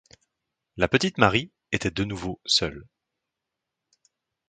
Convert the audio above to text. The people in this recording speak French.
La petite Marie était de nouveau seule.